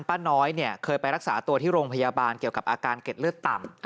ป้าน้อยเนี่ยเคยไปรักษาตัวที่โรงพยาบาลเกี่ยวกับอาการเก็ดเลือดต่ำ